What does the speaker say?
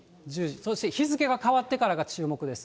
そして日付が変わってからが注目です。